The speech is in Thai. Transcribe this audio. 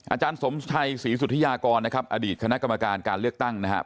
อาจารย์สมชัยศรีสุธิยากรนะครับอดีตคณะกรรมการการเลือกตั้งนะครับ